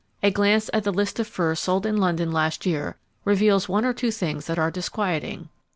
A glance at the list of furs sold in London last year reveals one or two things that are disquieting.